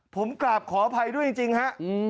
ผมกราบขออภัยด้วยจริงฮะ